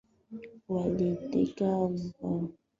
waliiteka nyara meli ya comoro